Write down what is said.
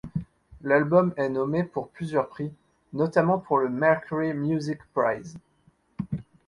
L'album est nommé pour plusieurs prix, notamment pour le Mercury Music Prize.